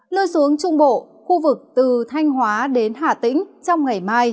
lưu xuống trung bộ khu vực từ thanh hóa đến hà tĩnh trong ngày mai